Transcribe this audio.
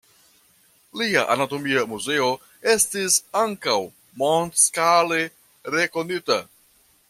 Lia anatomia muzeo estis ankaŭ mondskale rekonita.